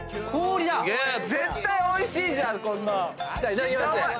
いただきますね。